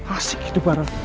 asik gitu barat